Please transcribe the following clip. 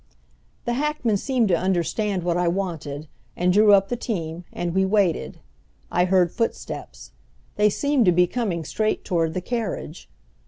The hackman seemed to understand what I wanted, and drew up the team, and we waited. I heard footsteps. They seemed to be coming straight toward the carriage.